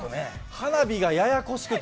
花火がややこしくて。